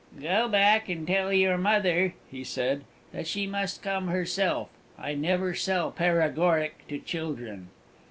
"Go back and tell your mother," he said, "that she must come herself. I never sell paregoric to children."